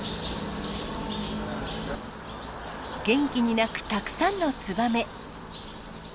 元気に鳴くたくさんのツバメ。